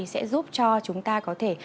sẽ giúp cho chúng ta có thể